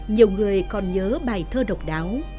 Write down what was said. nhiều người còn nhớ bài thơ độc đáo